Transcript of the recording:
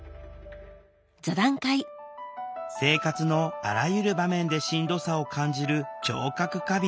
生活のあらゆる場面でしんどさを感じる聴覚過敏。